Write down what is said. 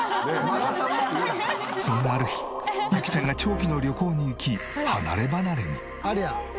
そんなある日ユキちゃんが長期の旅行に行き離ればなれに。